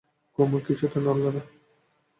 কুমু কিছুতে নড়ল না।